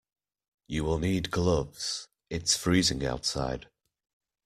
You will need gloves; it's freezing outside.